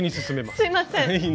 すいません。